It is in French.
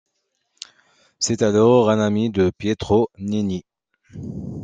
C'est alors un ami de Pietro Nenni.